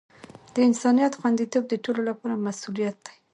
د انسانیت خوندیتوب د ټولو لپاره مسؤولیت دی.